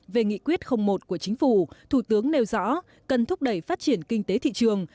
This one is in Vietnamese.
về nghị quyết một của chính phủ thủ tướng nêu rõ cần thúc đẩy phát triển kinh tế thị trường